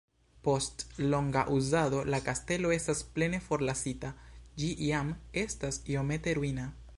Post longa uzado la kastelo estas plene forlasita, ĝi jam estas iomete ruina.